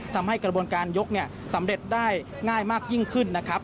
ทำให้กระบวนการยกสำเร็จได้ง่ายมากยิ่งขึ้นนะครับ